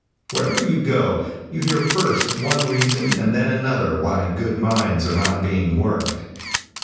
Wherever you go, you hear first one reason, and then another, why good mines are not being worked.